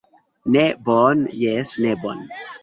Ne bone, jes, ne bone.